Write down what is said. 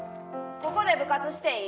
ここで部活していい？